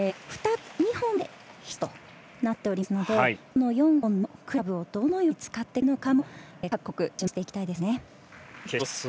２本で１つとなっておりますのでこの４本のクラブをどのように使ってくるのかも各国、注目していきたいですね。